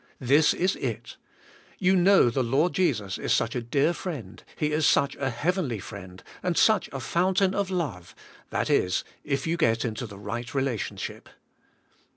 This is it: you know the Lord Jesus is such a dear friend, He is such a heavenly friend, and such a lountain of love, that is, if you get into the right relationship.